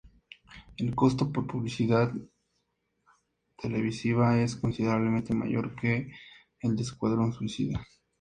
El costo por publicidad televisiva es considerablemente mayor que el de Escuadrón suicida.